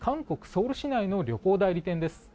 ソウル市内の旅行代理店です。